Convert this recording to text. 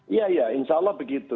iya ya insya allah begitu